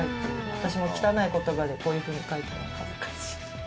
私も汚い言葉でこういうふうに書いてます恥ずかしい。